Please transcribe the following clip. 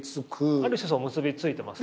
ある種結びついてます。